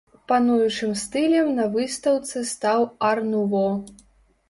Пануючым стылем на выстаўцы стаў ар-нуво.